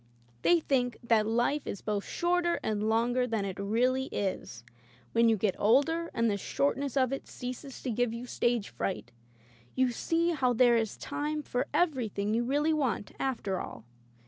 They think that life is both shorter and longer than it really is. When you get older and the short ness of it ceases to give you stage fright, you see how there is time for everything you really want, after all.'